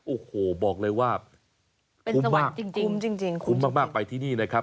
โอ้โหบอกเลยว่าคุ้มมากคุ้มมากไปที่นี่นะครับ